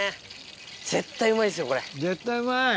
絶対うまい！